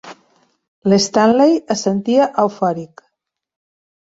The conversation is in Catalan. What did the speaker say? L'Stanley es sentia eufòric.